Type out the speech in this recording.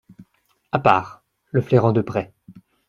À part, le flairant de près.